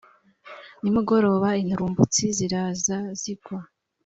Nimugoroba inturumbutsi ziraza zigwa